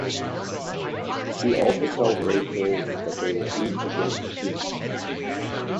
He also tells Rachel that they will meet again soon.